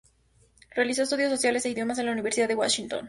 Realizó estudios sociales e Idiomas en la Universidad de Washington.